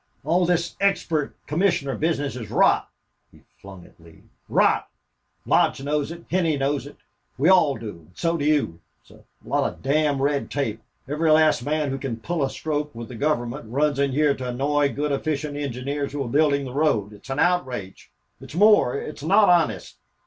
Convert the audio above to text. "All this expert commissioner business is rot," he flung at Lee. "Rot! Lodge knows it. Henney knows it. We all do. And so do you. It's a lot of damn red tape! Every last man who can pull a stroke with the Government runs in here to annoy good efficient engineers who are building the road. It's an outrage. It's more. It's not honest...